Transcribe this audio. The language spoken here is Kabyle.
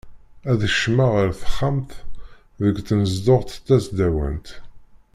Ad kecmeɣ ɣer texxamt deg tnezduɣt tasdawant.